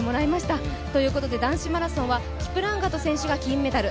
男子マラソンはキプランガトが金メダル。